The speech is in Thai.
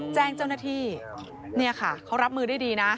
แจ้งเจ้าหน้าที่เนี่ยค่ะเขารับมือได้ดีนะ